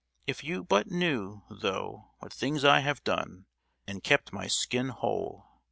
if you but knew, though, what things I have done, and kept my skin whole!